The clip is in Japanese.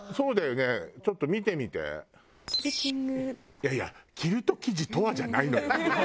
いやいや「キルト生地とは？」じゃないのよ。